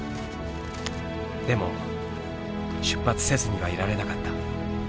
でも出発せずにはいられなかった。